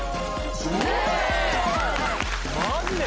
マジで！？